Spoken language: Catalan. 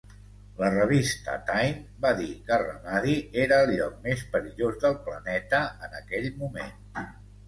La revista "Time" va dir que Ramadi era el lloc més perillós del planeta en aquell moment.